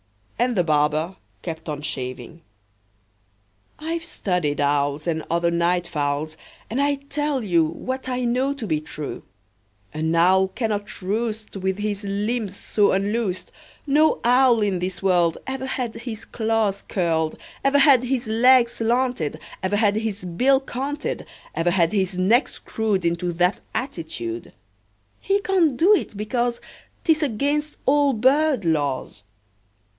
And the barber kept on shaving. "I've studied owls, And other night fowls, And I tell you What I know to be true: An owl cannot roost With his limbs so unloosed; No owl in this world Ever had his claws curled, Ever had his legs slanted, Ever had his bill canted, Ever had his neck screwed Into that attitude. He can't do it, because 'T is against all bird laws.